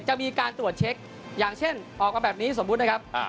จะมีการตรวจเช็คอย่างเช่นออกมาแบบนี้สมมุตินะครับ